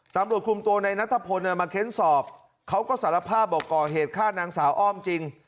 ตำรวจคุมตัวในนัทพลมาเค้นสอบเขาก็สารภาพบอกก่อเหตุฆ่านางสาวอ้อมจริง